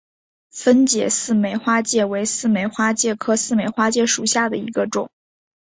分解似美花介为似美花介科似美花介属下的一个种。